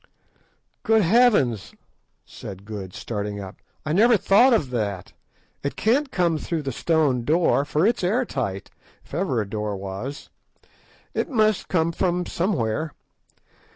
"Great heavens!" said Good, starting up, "I never thought of that. It can't come through the stone door, for it's air tight, if ever a door was. It must come from somewhere.